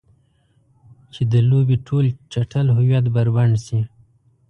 چې د لوبې ټول چټل هویت بربنډ شي.